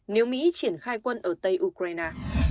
nếu mỹ triển khai quân ở tây ukraine